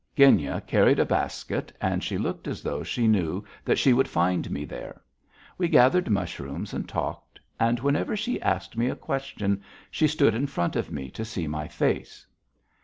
Genya carried a basket and she looked as though she knew that she would find me there. We gathered mushrooms and talked, and whenever she asked me a question she stood in front of me to see my face.